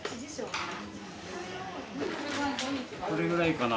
これぐらいかな。